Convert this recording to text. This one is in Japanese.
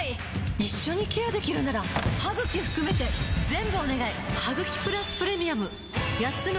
一緒にケアできるなら歯ぐき含めてうん。